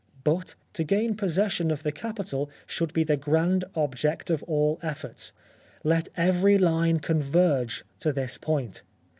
But, to gain possession of the capital should be the grand object of all efforts. Let every line converge to this point.